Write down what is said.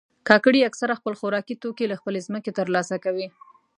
کاکړي اکثره خپل خوراکي توکي له خپلې ځمکې ترلاسه کوي.